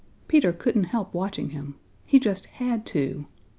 Peter couldn't help watching him. He just had to.